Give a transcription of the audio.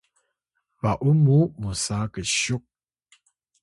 ba’un mu musa ksyuk